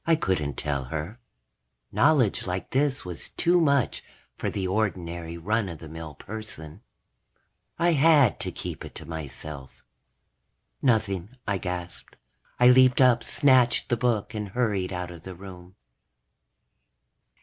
I couldn't tell her. Knowledge like this was too much for the ordinary run of the mill person. I had to keep it to myself. "Nothing," I gasped. I leaped up, snatched the book, and hurried out of the room.